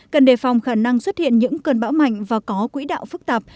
cần đề phòng khả năng xuất hiện những cơn bão mạnh và có quỹ đạo phức tạp